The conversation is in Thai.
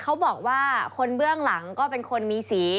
เขาบอกว่าคนเบื้องหลังก็เป็นคนมีสี